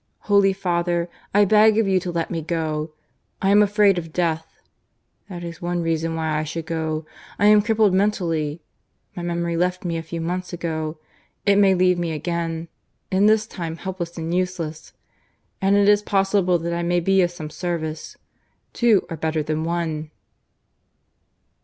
"Holy Father, I beg of you to let me go. I am afraid of death; ... that is one reason why I should go. I am crippled mentally; my memory left me a few months ago; it may leave me again, and this time helpless and useless. And it is possible that I may be of some service. Two are better than one."